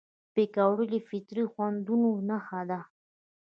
پکورې د فطري خوندونو نښه ده